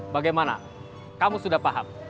bagaimana kamu sudah paham